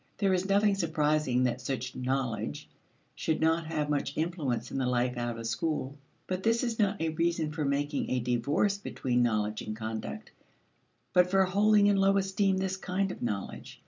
There is nothing surprising that such "knowledge" should not have much influence in the life out of school. But this is not a reason for making a divorce between knowledge and conduct, but for holding in low esteem this kind of knowledge.